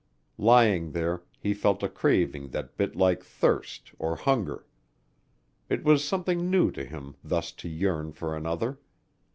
Lying there, he felt a craving that bit like thirst or hunger. It was something new to him thus to yearn for another.